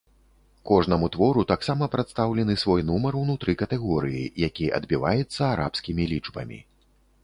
Кожнаму твору таксама прадстаўлены свой нумар ўнутры катэгорыі, які адбіваецца арабскімі лічбамі.